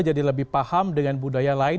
jadi lebih paham dengan budaya lain